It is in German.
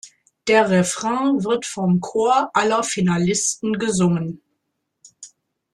Der Refrain wird vom Chor aller Finalisten gesungen.